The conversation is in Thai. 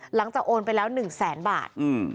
หลังก็จะโอนไปแหล้ว๑๐๐๐๐๐บาท